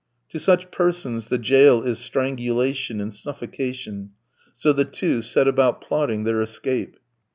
To such persons the jail is strangulation and suffocation. So the two set about plotting their escape.